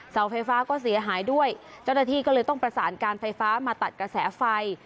เสาไฟฟ้าก็เสียหายด้วยเจ้าหน้าที่ก็เลยต้องประสานการไฟฟ้ามาตัดกระแสไฟ